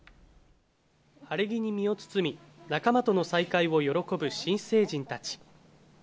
晴れ着に身を包み、仲間との再会を喜ぶ新成人たち。